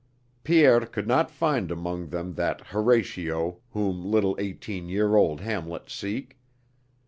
Pierre could not find among them that Horatio whom little eighteen year old Hamlets seek.